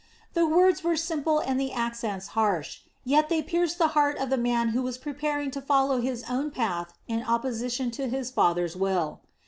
The words were simple and the accents harsh, yet they pierced the heart of the man who was preparing to follow his own path in opposition to his father's will.